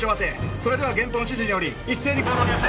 それでは現本指示により一斉に行動に移せ。